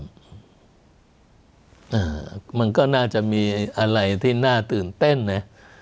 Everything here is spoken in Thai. มันก็น่าจะมีอะไรที่น่าตื่นเต้นนะ